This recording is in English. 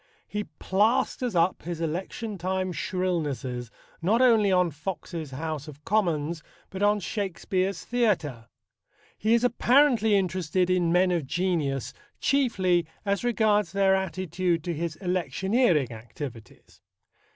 He plasters up his election time shrillnesses not only on Fox's House of Commons but on Shakespeare's Theatre. He is apparently interested in men of genius chiefly as regards their attitude to his electioneering activities.